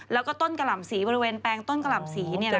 แล้วก็ต้นกะหล่ำสีบริเวณแปลงต้นกะหล่ำสี